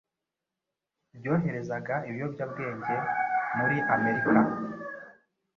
ryoherezaga ibiyobyabwenge muri Amerika.